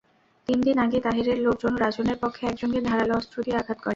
তিনদিন আগে তাহেরের লোকজন রাজনের পক্ষের একজনকে ধারালো অস্ত্র দিয়ে আঘাত করে।